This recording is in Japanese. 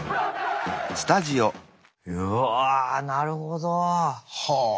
うわあなるほど。はあ。